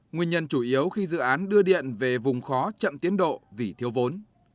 nguyên nhân chủ yếu khi dự án đưa điện về vùng khó chậm tiến độ vì thiếu vốn